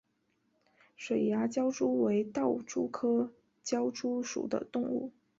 水涯狡蛛为盗蛛科狡蛛属的动物。